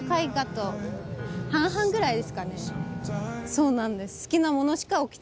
そうなんです。